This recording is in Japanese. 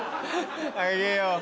あげよう。